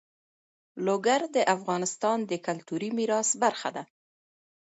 لوگر د افغانستان د کلتوري میراث برخه ده.